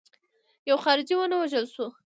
یو خارجي ونه وژل شو.